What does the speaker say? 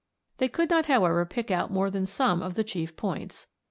They could not however pick out more than some of the chief points.